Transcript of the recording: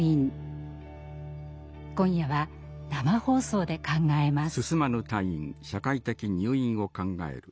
今夜は生放送で考えます。